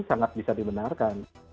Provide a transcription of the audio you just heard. sangat bisa dibenarkan